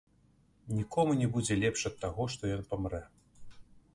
Нікому не будзе лепш ад таго, што ён памрэ.